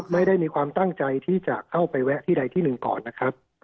ไม่ได้มีความตั้งใจที่จะเข้าไปแวะที่ใดที่หนึ่งก่อนนะครับ